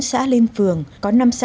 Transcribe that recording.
có năm xã đạt nông thuận mới nâng cao